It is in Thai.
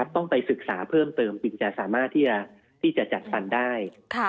ต้องไปศึกษาเพิ่มเติมจึงจะสามารถที่จะจัดฟันได้